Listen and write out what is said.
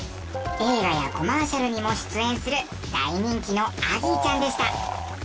映画やコマーシャルにも出演する大人気のアギーちゃんでした。